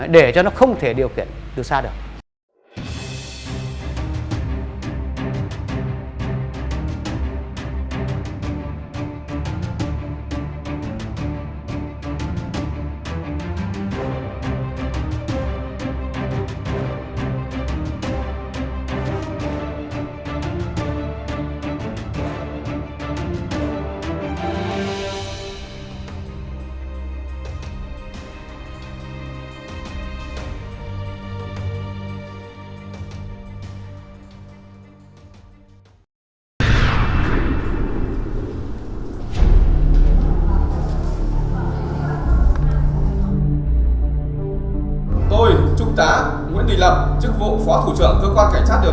để cho nó không thể điều kiện từ xa được